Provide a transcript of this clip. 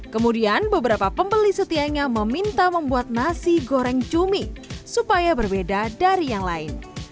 kemudian beberapa pembeli setianya meminta membuat nasi goreng cumi supaya berbeda dari yang lain